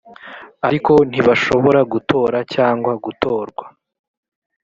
ariko ntibashobora gutora cyangwa gutorwa